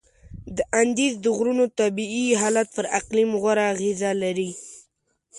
د اندیز د غرونو طبیعي حالت پر اقلیم غوره اغیزه لري.